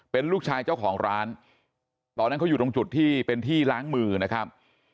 เป็นลูกชายเจ้าของร้านตอนนั้นเขาอยู่ตรงจุดที่เป็นที่ล้างมือนะครับ